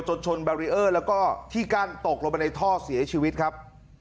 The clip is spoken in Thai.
จนชนแล้วก็ที่กันตกลงไปในท่อเสียชีวิตครับ